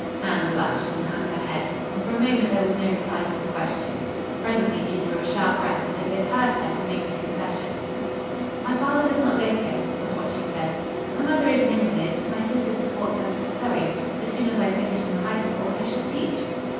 Anne blushed and hung her head, and for a moment there was no reply to the question. Presently she drew a sharp breath as if it hurt her to make the confession. "My father does not live here," was what she said. "My mother is an invalid. My sister supports us with sewing. As soon as I finish in the High School, I shall teach."